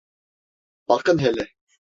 Bakın hele!